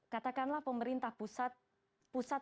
katakanlah pemerintah pusat